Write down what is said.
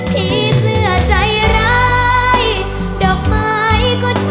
พี่เสือใจร้าย